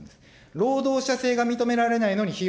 労働者性が認められないのに被用